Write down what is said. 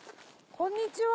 こんにちは。